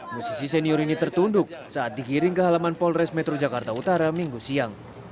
musisi senior ini tertunduk saat digiring ke halaman polres metro jakarta utara minggu siang